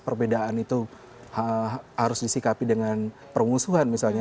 perbedaan itu harus disikapi dengan permusuhan misalnya